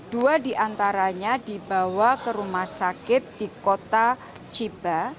dua diantaranya dibawa ke rumah sakit di kota ciba